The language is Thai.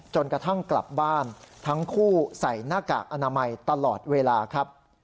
กระทั่งกลับบ้านทั้งคู่ใส่หน้ากากอนามัยตลอดเวลาครับ